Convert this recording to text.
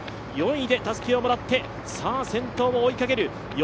４位でたすきをもらって、先頭も追いかける。